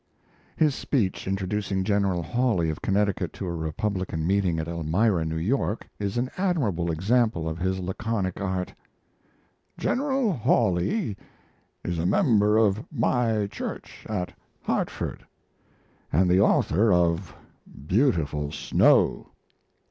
His speech introducing General Hawley of Connecticut to a Republican meeting at Elmira, New York, is an admirable example of his laconic art: "General Hawley is a member of my church at Hartford, and the author of 'Beautiful Snow.'